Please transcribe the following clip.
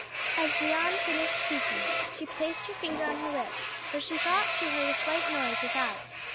As Jeanne finished speaking she placed her finger on her lips, for she thought she heard a slight noise without.